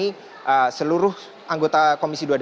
apakah ketua kpu hashim ashari akan digantikan